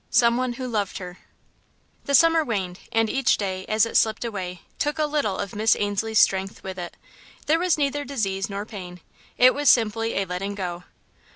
Some One Who Loved Her The summer waned and each day, as it slipped away, took a little of Miss Ainslie's strength with it. There was neither disease nor pain it was simply a letting go.